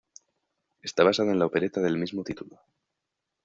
Está basada en la opereta del mismo título.